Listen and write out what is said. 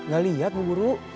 gak liat bu guru